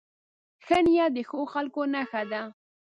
ښه نیت د ښو خلکو نښه ده.